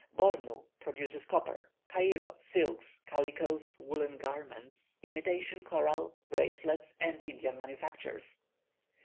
Bornu produces copper; Cairo silks, calicoes, woollen garments, imitation coral, bracelets, and Indian manufactures.